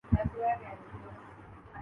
بہرحال یہ ضمنی بحث ہے۔